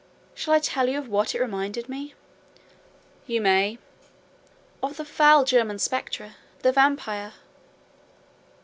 Shall I tell you of what it reminded me?" "You may." "Of the foul German spectre—the Vampyre."